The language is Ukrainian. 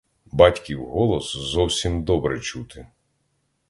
Батьків голос зовсім добре чути.